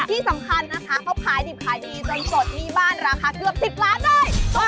ที่สำคัญนะคะเขาขายดิบขายดีจนสดหนี้บ้านราคาเกือบ๑๐ล้านเลย